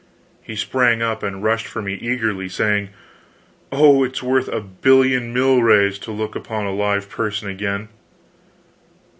He sprang up and rushed for me eagerly, saying: "Oh, it's worth a billion milrays to look upon a live person again!"